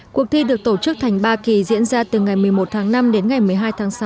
cuộc thi được tổ chức thành ba kỳ diễn ra từ ngày một mươi một tháng năm đến ngày một mươi hai tháng sáu